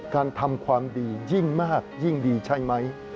ทำความดียิ่งมากยิ่งดีใช่ไหม